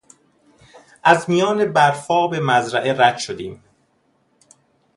از میان برفاب مزرعه رد شدیم.